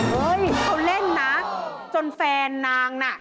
เขาเล่นนักจนแฟนนางน่ะ